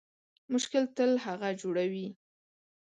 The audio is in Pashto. مشکل تل هغه جوړوي